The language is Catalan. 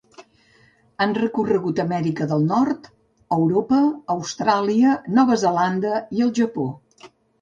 Han recorregut Amèrica del Nord, Europa, Austràlia, Nova Zelanda i el Japó.